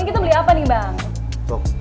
kita beli apa nih bang